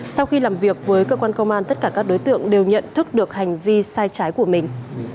sau khi làm việc với cơ quan công an tất cả các đối tượng đều nhận thức được hành vi sai trái của mình